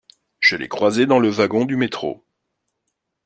Je l'ai croisée dans le wagon du métro.